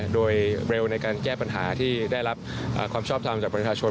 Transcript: โดยเร็วในการแก้ปัญหาที่ได้รับความชอบทำจากประชาชน